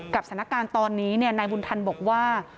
สถานการณ์ตอนนี้นายบุญธรรมบอกว่า